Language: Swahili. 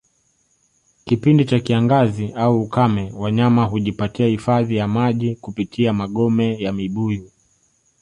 Kipindi cha kiangazi au ukame Wanyama hujipatia hifadhi ya maji kupitia magome ya mibuyu